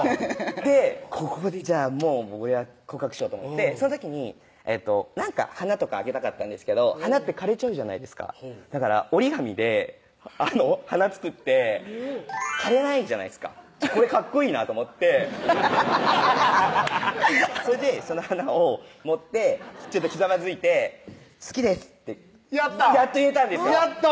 でここでじゃあもう俺は告白しようと思ってその時に何か花とかあげたかったんですけど花って枯れちゃうじゃないですかだから折り紙で花作って枯れないじゃないですかこれかっこいいなと思ってそれでその花を持ってひざまずいて「好きです」ってやっと言えたんですよやっと！